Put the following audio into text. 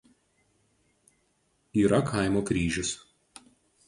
Yra kaimo kryžius.